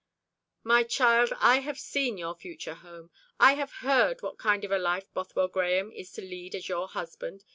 "My child, I have seen your future home; I have heard what kind of a life Bothwell Grahame is to lead as your husband.